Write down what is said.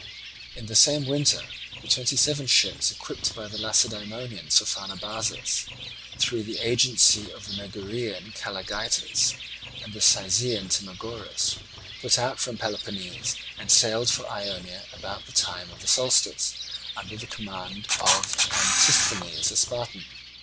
In the same winter the twenty seven ships equipped by the Lacedaemonians for Pharnabazus through the agency of the Megarian Calligeitus, and the Cyzicene Timagoras, put out from Peloponnese and sailed for Ionia about the time of the solstice, under the command of Antisthenes, a Spartan.